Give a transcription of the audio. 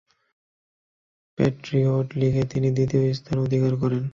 Patriot লীগে তিনি দ্বিতীয় স্থান অধিকার করেন।